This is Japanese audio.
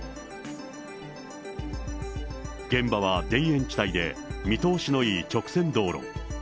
現場は田園地帯で、見通しのいい直線道路。